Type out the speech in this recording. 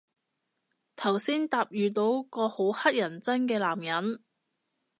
頭先搭遇到個好乞人憎嘅男人